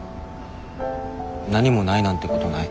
何もないなんてことない。